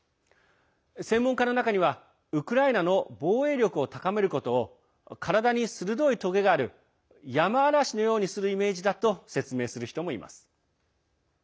専門家の中にはウクライナの防衛力を高めることを体に鋭いとげがあるヤマアラシのようにするイメージだと説明する人もいます。